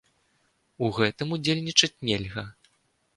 У гэтым удзельнічаць нельга.